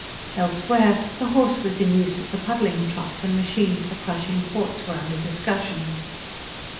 Elsewhere, the horse was in use at the puddling trough, and machines for crushing quartz were under discussion.